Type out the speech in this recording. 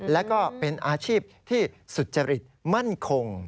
และก็เป็นอาชีพที่สุจริตมั่นคง